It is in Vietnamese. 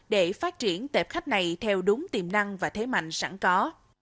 để phát triển tệp khách này theo đúng tiềm năng và thế mạnh sẵn có